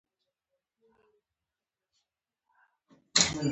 پښتون په مرګ د شاه محمود شو برباد.